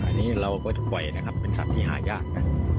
อันนี้เราก็จะปล่อยนะครับเป็นสัตว์ที่หายากนะ